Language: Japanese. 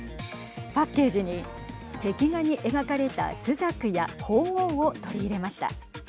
パッケージに壁画に描かれたすざくやほうおうを取り入れました。